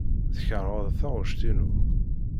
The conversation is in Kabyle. Tkeṛheḍ taɣect-inu.